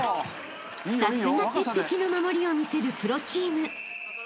［さすが鉄壁の守りを見せるプロチーム］